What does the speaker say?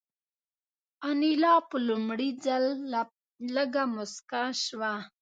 انیلا په لومړي ځل لږه موسکه شوه